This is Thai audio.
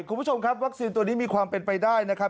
คุณผู้ชมครับวัคซีนตัวนี้มีความเป็นไปได้นะครับ